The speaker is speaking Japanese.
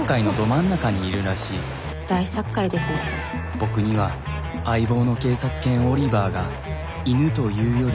僕には相棒の警察犬オリバーが犬というより。